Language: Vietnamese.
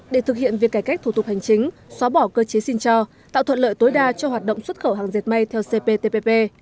để thực hiện việc cải cách thủ tục hành chính xóa bỏ cơ chế xin cho tạo thuận lợi tối đa cho hoạt động xuất khẩu hàng dệt may theo cptpp